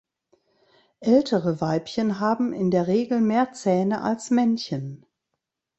Ältere Weibchen haben in der Regel mehr Zähne als Männchen.